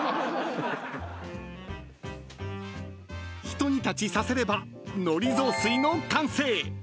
［ひと煮立ちさせればのり雑炊の完成］